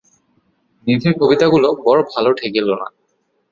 নিধির কবিতাগুলি বড়ো ভালো ঠেকিল না।